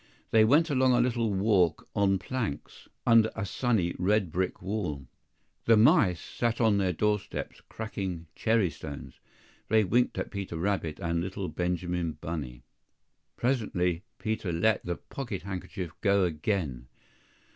They went along a little walk on planks, under a sunny red brick wall. The mice sat on their door steps cracking cherry stones, they winked at Peter Rabbit and little Benjamin Bunny. PRESENTLY Peter let the pocket handkerchief go again.